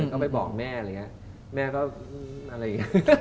ก็ไปบอกแม่อะไรอย่างนี้แม่ก็อะไรอย่างนี้